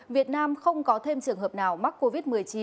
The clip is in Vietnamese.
việt nam không có thêm trường hợp nào mắc covid một mươi chín